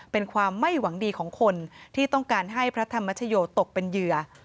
เป็นความไม่หวังดีของคนที่ต้องการให้พระธรรมชโยตกเป็นเหยื่อ